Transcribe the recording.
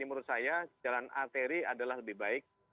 menurut saya jalan arteri adalah lebih baik